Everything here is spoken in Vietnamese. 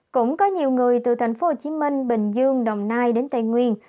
cũng có nhiều người từ thành phố hồ chí minh bình dương đồng nai đến tây nguyên